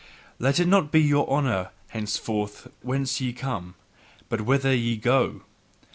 Let it not be your honour henceforth whence ye come, but whither ye go!